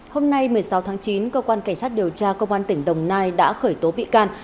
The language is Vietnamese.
hôm nay một mươi sáu tháng chín cơ quan cảnh sát điều tra công an tỉnh đồng nai đã khởi tố bị can